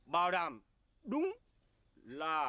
bảo đảm đúng là